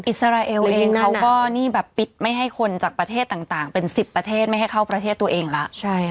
อิสราเอลเองเขาก็นี่แบบปิดไม่ให้คนจากประเทศต่างเป็น๑๐ประเทศไม่ให้เข้าประเทศตัวเองแล้ว